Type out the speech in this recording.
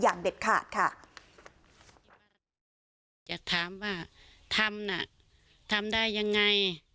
อย่างเด็ดขาดค่ะจะถามว่าทำน่ะทำได้ยังไง